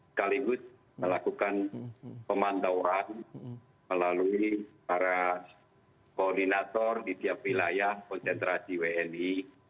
sekaligus melakukan pemantauan melalui para koordinator di tiap wilayah konsentrasi wni